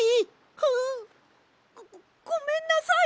ごごごめんなさい！